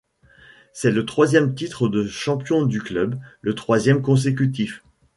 C’est le troisième titre de champion du club, le troisième consécutif.